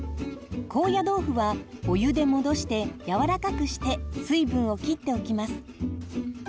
高野豆腐はお湯で戻してやわらかくして水分をきっておきます。